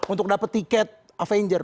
untuk dapat tiket avenger